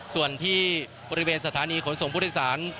ส่วนที่บริเวณสถานีขนส่งผู้โดยสาร